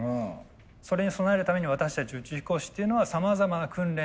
それに備えるために私たち宇宙飛行士っていうのはさまざまな訓練